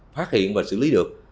phát hiện và xử lý được